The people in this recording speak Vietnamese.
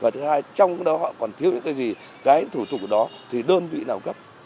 trong đó họ còn thiếu những cái gì cái thủ tục đó thì đơn vị nào cấp